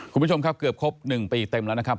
คุณผู้ชมครับเกือบครบ๑ปีเต็มแล้วนะครับ